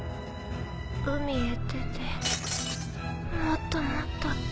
海へ出てもっともっと強くなって。